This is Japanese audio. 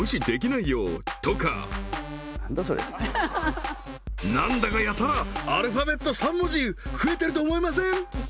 それ何だかやたらアルファベット３文字増えてると思いません？